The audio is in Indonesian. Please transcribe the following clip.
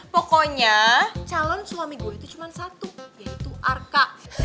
pokoknya calon suami gue itu cuma satu yaitu arka